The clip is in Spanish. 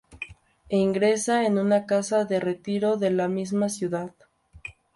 E ingresa en una casa de retiro de la misma ciudad.